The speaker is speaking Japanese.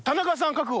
確保。